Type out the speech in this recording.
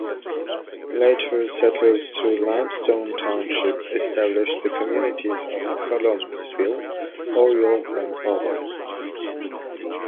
Later settlers to Limestone Township established the communities of Collomsville, Oriole and Oval.